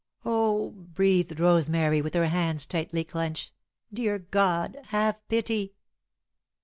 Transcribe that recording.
"Oh!" breathed Rosemary, with her hands tightly clenched. "Dear God, have pity!"